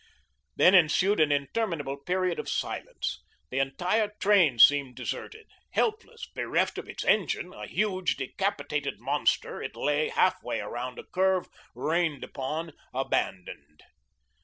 Then ensued an interminable period of silence. The entire train seemed deserted. Helpless, bereft of its engine, a huge, decapitated monster it lay, half way around a curve, rained upon, abandoned.